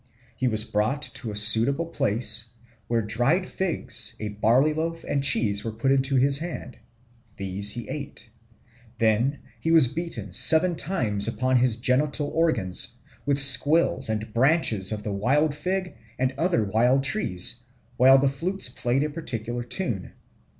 He was brought to a suitable place, where dried figs, a barley loaf, and cheese were put into his hand. These he ate. Then he was beaten seven times upon his genital organs with squills and branches of the wild fig and other wild trees, while the flutes played a particular tune.